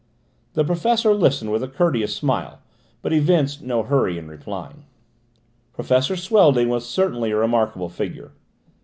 The professor listened with a courteous smile but evinced no hurry in replying. Professor Swelding was certainly a remarkable figure.